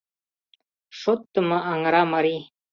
Шотдымо аҥыра марий!